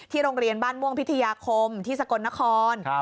โรงเรียนบ้านม่วงพิทยาคมที่สกลนคร